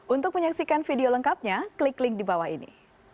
untuk menyaksikan video lengkapnya klik link di bawah ini